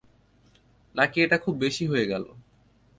নাকি এটা খুব বেশি হয়ে গেল?